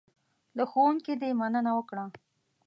له ښوونکي دې مننه وکړه .